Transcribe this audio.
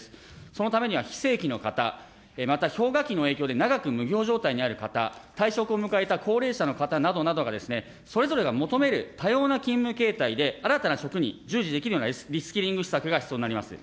そのためには、非正規の方、また氷河期の影響で長く無業状態にある方、退職を迎えた高齢者の方などなどが、それぞれが求める多様な勤務形態で新たな職に従事できるようなリスキリング施策が必要になります。